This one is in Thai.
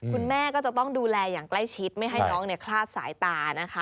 คุณแม่ก็จะต้องดูแลอย่างใกล้ชิดไม่ให้น้องคลาดสายตานะคะ